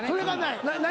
何？